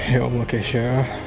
ya allah keisha